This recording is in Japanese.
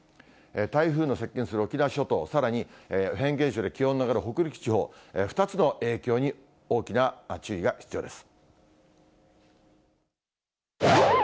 台風の接近する沖縄諸島、さらにフェーン現象で気温の上がる北陸地方、２つの影響に大きな注意が必要です。